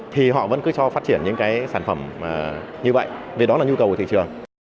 thì họ vẫn cứ cho phát triển những cái sản phẩm như vậy vì đó là nhu cầu của thị trường